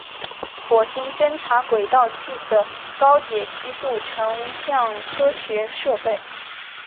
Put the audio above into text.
火星侦察轨道器的高解析度成像科学设备。